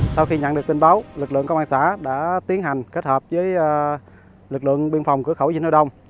sau khi nhận được tin báo lực lượng công an xã đã tiến hành kết hợp với lực lượng biên phòng cửa khẩu dinh hà đông